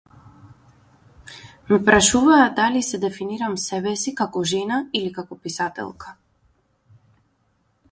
Ме прашуваа дали се дефинирам себе си како жена или како писателка.